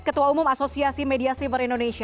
ketua umum asosiasi media siber indonesia